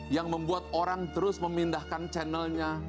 yang membuat orang terus memindahkan channelnya